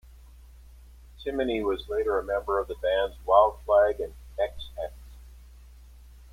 Timony was later a member of the bands Wild Flag and Ex Hex.